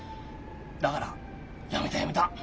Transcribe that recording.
だからやめたやめた。